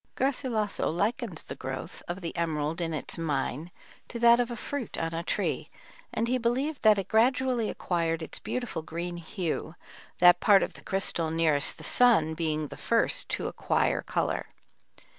Garcilasso likens the growth of the emerald in its mine to that of a fruit on a tree, and he believed that it gradually acquired its beautiful green hue, that part of the crystal nearest the sun being the first to acquire color.